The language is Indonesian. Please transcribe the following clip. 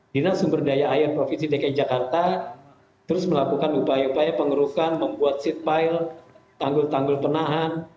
dina sumberdaya air provinsi dki jakarta terus melakukan upaya upaya pengurukan membuat seat pile tanggul tanggul penahan